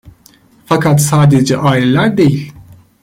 Fakat sadece aileler değil.